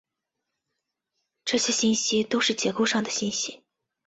这些信息都是结构上的信息。